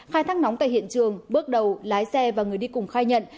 khai thác nóng tại hiện trường bước đầu lái xe và người đi cùng khai nhận